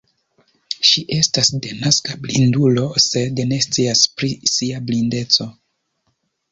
Ŝi estas denaska blindulo, sed ne scias pri sia blindeco.